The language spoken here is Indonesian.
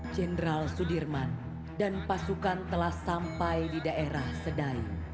jenderal sudirman dan pasukan telah sampai di daerah sedai